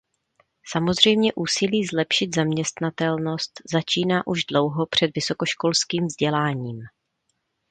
Samozřejmě úsilí zlepšit zaměstnatelnost začíná už dlouho před vysokoškolským vzděláním.